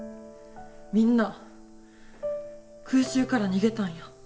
みんな空襲から逃げたんや。